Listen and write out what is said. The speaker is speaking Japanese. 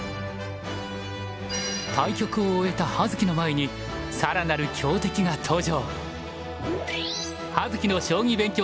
対局を終えた葉月の前にさらなる強敵が登場。